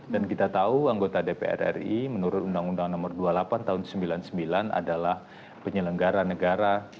dan kita tahu anggota dpr ri menurut undang undang nomor dua puluh delapan tahun seribu sembilan ratus sembilan puluh sembilan adalah penyelenggara negara